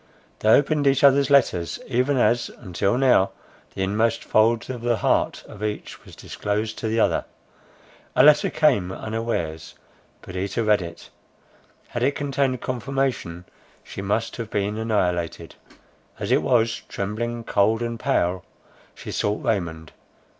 They opened each other's letters, even as, until now, the inmost fold of the heart of each was disclosed to the other. A letter came unawares, Perdita read it. Had it contained confirmation, she must have been annihilated. As it was, trembling, cold, and pale, she sought Raymond.